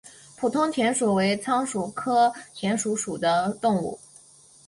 普通田鼠为仓鼠科田鼠属的动物。